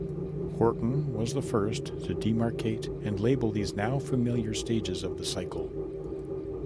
Horton was the first to demarcate and label these now-familiar stages of the cycle.